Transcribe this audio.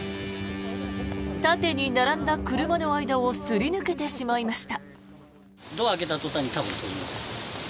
縦に並んだ車の間をすり抜けてしまいました。